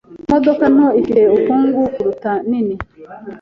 Imodoka nto ifite ubukungu kuruta nini.